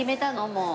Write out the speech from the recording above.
もう。